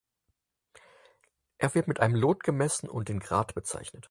Er wird mit einem Lot gemessen und in Grad bezeichnet.